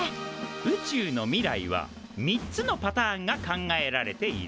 宇宙の未来は３つのパターンが考えられている。